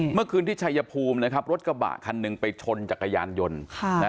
เมื่อคืนที่ชัยภูมินะครับรถกระบะคันหนึ่งไปชนจักรยานยนต์